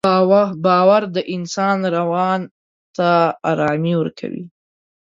باور د انسان روان ته ارامي ورکوي.